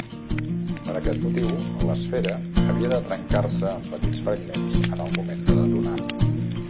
Per aquest motiu l'esfera havia de trencar-se en petits fragments en el moment de detonar.